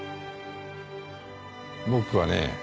僕はね。